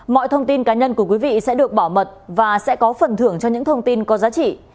mọi thông tin cá nhân của quý vị sẽ được bảo mật và sẽ có phần thưởng cho những thông tin có giá trị